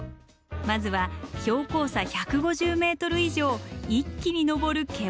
まずは標高差１５０ｍ以上一気に登る険しい道。